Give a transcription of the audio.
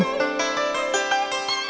điện long an